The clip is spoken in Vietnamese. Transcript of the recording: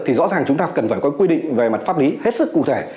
thì rõ ràng chúng ta cần phải có quy định về mặt pháp lý hết sức cụ thể